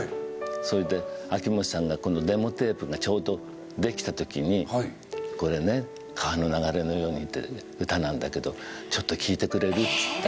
それで秋元さんがこのデモテープがちょうどできた時に「これね『川の流れのように』って歌なんだけどちょっと聴いてくれる？」っつって。